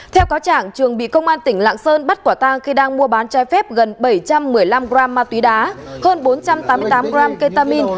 theo cáo trạng trường bị công an tỉnh lạng sơn bắt quả tang khi đang mua bán chai phép gần bảy trăm một mươi năm gram ma túy đá hơn bốn trăm tám mươi tám gram ketamine